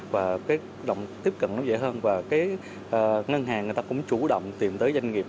và cái động tiếp cận nó dễ hơn và cái ngân hàng người ta cũng chủ động tìm tới doanh nghiệp